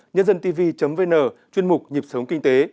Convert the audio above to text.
nhândântv vn chuyên mục nhịp sống kinh tế